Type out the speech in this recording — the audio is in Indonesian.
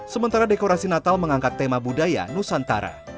sementara dekorasi natal mengangkat tema budaya nusantara